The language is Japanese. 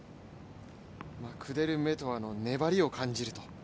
クデルメトワの粘りを感じると。